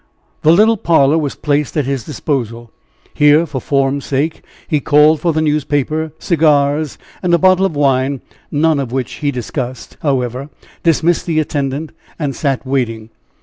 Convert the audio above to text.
The little parlor was placed at his disposal. Here, for form's sake, he called for the newspaper, cigars and a bottle of wine (none of which he discussed, however), dismissed the attendant, and sat waiting.